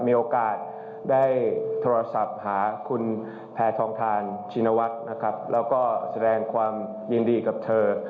มีโอกาสได้โทรศัพท์หาคุณแพทองทานชินวัฒน์นะครับแล้วก็แสดงความยินดีกับเธอ